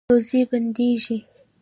روزي بندیږي؟